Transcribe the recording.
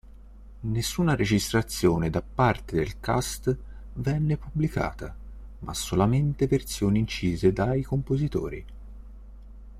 Nessuna registrazione da parte del cast venne pubblicata, ma solamente versioni incise dai compositori.